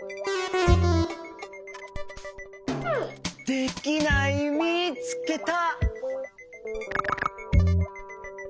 できないみつけた！